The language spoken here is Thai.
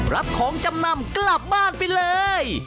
รับของจำนำกลับบ้านไปเลย